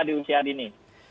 di usia dini